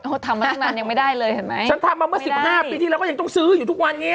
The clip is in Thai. เขาทำมาตั้งนานยังไม่ได้เลยเห็นไหมฉันทำมาเมื่อสิบห้าปีที่เราก็ยังต้องซื้ออยู่ทุกวันนี้